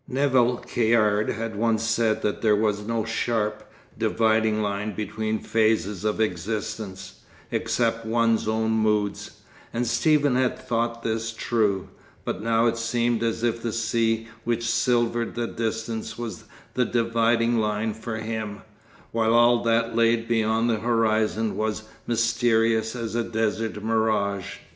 Nevill Caird had once said that there was no sharp, dividing line between phases of existence, except one's own moods, and Stephen had thought this true; but now it seemed as if the sea which silvered the distance was the dividing line for him, while all that lay beyond the horizon was mysterious as a desert mirage.